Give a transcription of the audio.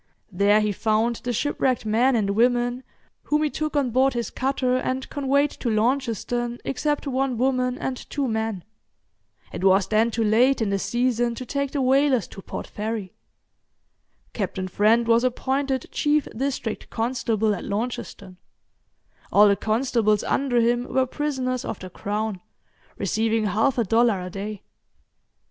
There he found the shipwrecked men and women whom he took on board his cutter, and conveyed to Launceston, except one woman and two men. It was then too late in the season to take the whalers to Port Fairy. Captain Friend was appointed chief District Constable at Launceston; all the constables under him were prisoners of the Crown, receiving half a dollar a day.